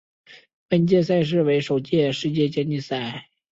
本届赛事为首届世界接力赛。